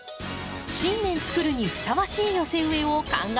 新年つくるにふさわしい寄せ植えを考えました。